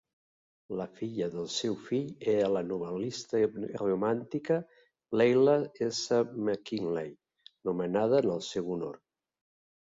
La filla del seu fill era la novel·lista romàntica Leila S. Mackinlay, nomenada en el seu honor.